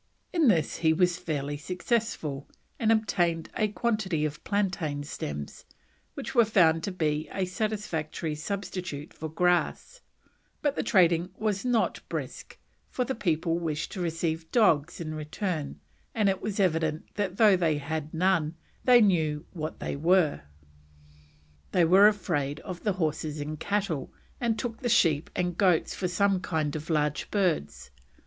In this he was fairly successful, and obtained a quantity of plantain stems, which were found to be a satisfactory substitute for grass; but the trading was not brisk, for the people wished to receive dogs in return, and it was evident that though they had none, they knew what they were. They were afraid of the horses and cattle, and took the sheep and goats for some kind of large birds.